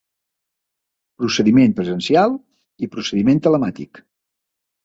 Procediment presencial i procediment telemàtic.